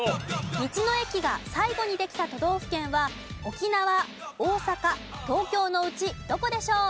道の駅が最後にできた都道府県は沖縄大阪東京のうちどこでしょう？